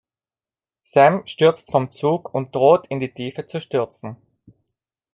Sam stürzt vom Zug und droht in die Tiefe zu stürzen.